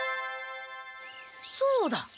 そうだ！